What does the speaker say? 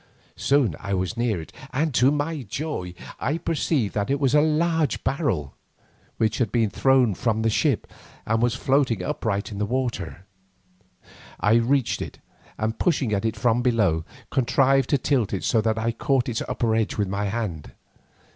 Soon I was near it, and to my joy I perceived that it was a large barrel, which had been thrown from the ship, and was floating upright in the water. I reached it, and pushing at it from below, contrived to tilt it so that I caught its upper edge with my hand.